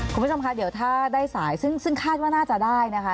คุณผู้ชมคะเดี๋ยวถ้าได้สายซึ่งคาดว่าน่าจะได้นะคะ